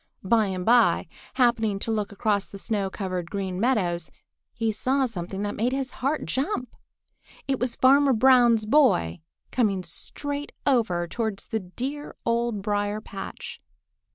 By and by, happening to look across the snow covered Green Meadows, he saw something that made his heart jump. It was Farmer Brown's boy coming straight over towards the dear Old Briar patch.